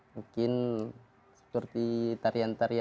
mungkin seperti tarian tarian khas daerah masing masing kak